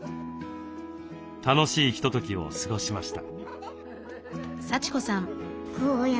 楽しいひとときを過ごしました。